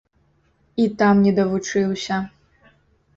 І там не давучыўся.